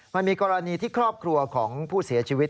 มันมีกรณีที่ครอบครัวของผู้เสียชีวิต